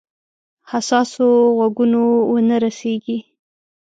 حساسو غوږونو ونه رسیږي.